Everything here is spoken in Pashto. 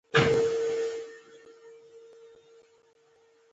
تخنیکي ایډېټ پیسو ته اړتیا لرله.